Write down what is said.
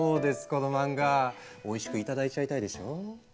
この漫画おいしく頂いちゃいたいでしょ？